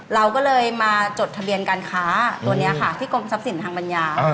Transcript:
เราก็เลยมาจดทะเบียนการค้าตัวนี้ค่ะที่กรมทรัพย์สินทางปัญญา